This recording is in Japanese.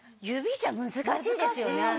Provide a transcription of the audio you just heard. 指じゃ難しいですよね。